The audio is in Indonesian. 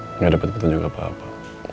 gak ada betul betulnya apa apa